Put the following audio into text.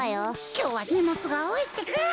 きょうはにもつがおおいってか！